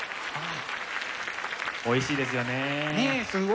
おいしいですよね。